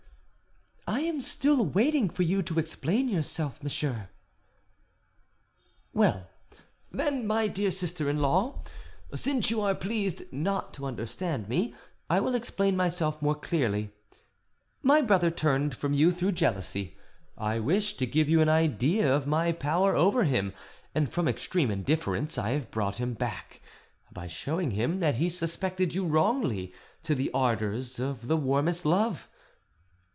"I am still waiting for you to explain yourself, monsieur." "Well, then, my dear sister in law, since you are pleased not to understand me, I will explain myself more clearly. My brother turned from you through jealousy; I wished to give you an idea of my power over him, and from extreme indifference I have brought him back, by showing him that he suspected you wrongly, to the ardours of the warmest love.